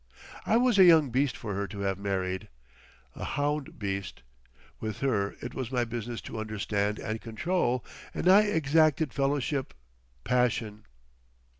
I was a young beast for her to have married—a hound beast. With her it was my business to understand and control—and I exacted fellowship, passion....